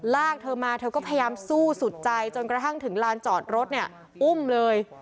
ลากเธอมาเธอก็พยายามสู้สุดใจจนกระทั่งถึงลานจอดรถเนี่ยอุ้มเลย